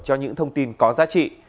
cho những thông tin có giá trị